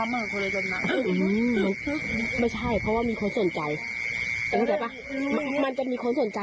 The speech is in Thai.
มันจะมีคนสนใจแล้วมันก็จะเรียกเราความสนใจ